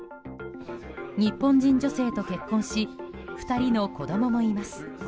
日本人女性と結婚し２人の子供もいます。